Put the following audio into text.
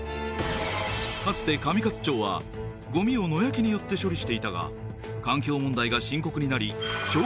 かつて上勝町はゴミを野焼きによって処理していたが環境問題が深刻になり焼却炉を導入